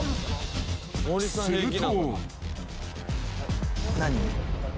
［すると］